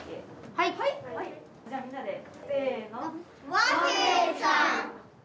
はいじゃあみんなでせの。